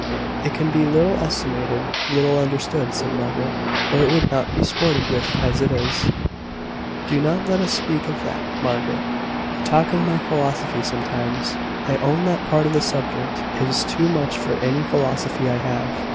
"It can be little estimated little understood," said Margaret, "or it would not be sported with as it is." "Do not let us speak of that, Margaret. You talk of my philosophy sometimes; I own that that part of the subject is too much for any philosophy I have."